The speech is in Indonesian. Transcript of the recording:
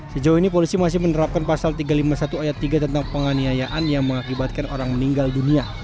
sejauh ini polisi masih menerapkan pasal tiga ratus lima puluh satu ayat tiga tentang penganiayaan yang mengakibatkan orang meninggal dunia